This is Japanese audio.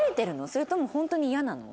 それとも本当にイヤなの？